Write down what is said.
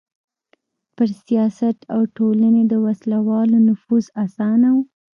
پر سیاست او ټولنې د وسله والو نفوذ اسانه و.